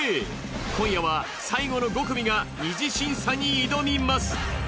今夜は最後の５組が二次審査に挑みます。